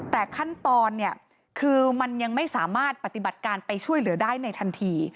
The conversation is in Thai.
แต่ขั้นตอนเนี่ยคือมันยังไม่สามารถปฏิบัติการไปช่วยเหลือได้ในทันที